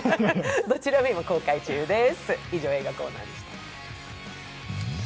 どちらも今、公開中です。